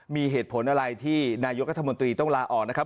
มีเหตุผลอะไรที่นายกรัฐมนตรีต้องลาออกนะครับ